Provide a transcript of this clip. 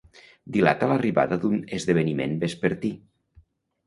Dilata l'arribada d'un esdeveniment vespertí.